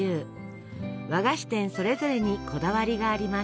和菓子店それぞれにこだわりがあります。